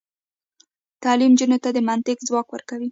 تعلیم نجونو ته د منطق ځواک ورکوي.